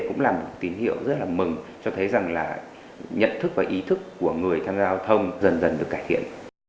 cũng là một tín hiệu rất là mừng cho thấy rằng là nhận thức và ý thức của người tham gia giao thông dần dần được cải thiện